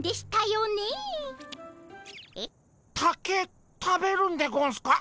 竹食べるんでゴンスか？